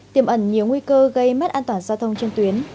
tiềm ẩn nhiều nguy cơ gây mất an toàn giao thông trên tuyến